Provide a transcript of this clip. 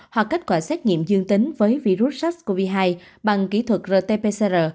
hoặc kết quả xét nghiệm dương tính với virus sars cov hai bằng kỹ thuật rt pcr